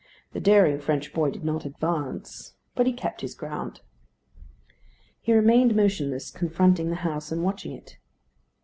The daring French boy did not advance, but he kept his ground. He remained motionless, confronting the house and watching it.